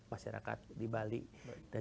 masyarakat di bali dan